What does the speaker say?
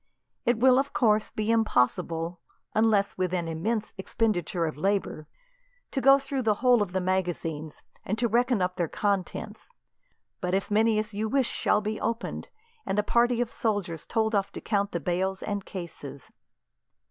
It will, of course, be impossible, unless with an immense expenditure of labour, to go through the whole of the magazines and to reckon up their contents; but as many as you wish shall be opened, and a party of soldiers told off to count the bales and cases."